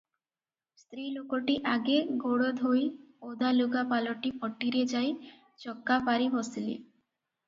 ସ୍ତ୍ରୀ ଲୋକଟି ଆଗେ ଗୋଡ଼ଧୋଇ ଓଦାଲୁଗା ପାଲଟି ପଟିରେ ଯାଇ ଚକାପାରି ବସିଲେ ।